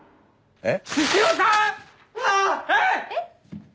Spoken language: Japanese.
えっ？